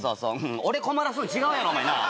俺困らすの違うやろお前なあ